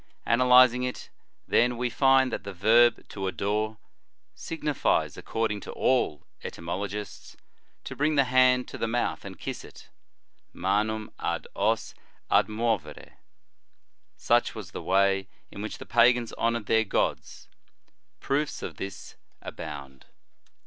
Analyzing it, then, we find that the verb to adore, signifies, according to all etymologists, to bring the hand to the mouth and kiss it, manum ad os admovere. Such was the way in which the pagans honored their gods. Proofs of this abound.